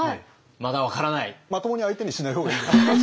まともに相手にしない方がいいと。